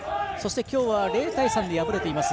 今日は０対３で敗れています。